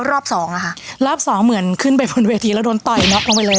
รอบสองเหมือนขึ้นไปบนเวทีแล้วโดนต่อน็อคลงไปเลย